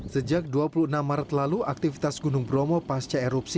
sejak dua puluh enam maret lalu aktivitas gunung bromo pasca erupsi